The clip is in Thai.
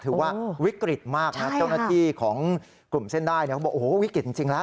คือว่าวิกฤตมากนะใช่ครับโจรนาฏีของกลุ่มเส้นได้เนี่ยบอกว่าโอ้โหวิกฤตจริงแล้ว